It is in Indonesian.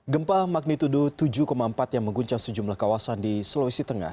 gempa magnitudo tujuh empat yang mengguncang sejumlah kawasan di sulawesi tengah